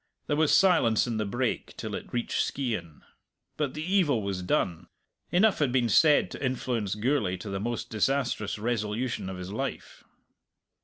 There was silence in the brake till it reached Skeighan. But the evil was done. Enough had been said to influence Gourlay to the most disastrous resolution of his life.